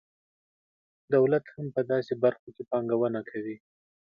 دولت هم په داسې برخو کې پانګونه کوي.